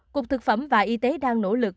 cục thực phẩm và y tế đang nỗ lực